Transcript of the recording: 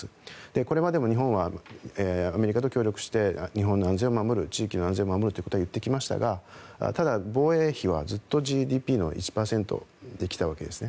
これまでも日本はアメリカと協力して日本の安全を守る地域の安全を守るということは言ってきましたがただ、防衛費はずっとＧＤＰの１％できたわけですね。